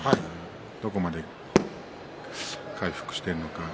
どこまで回復しているのか。